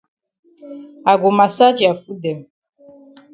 I go massage ya foot dem.